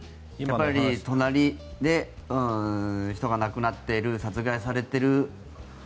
やっぱり隣で人が亡くなっている殺害されている。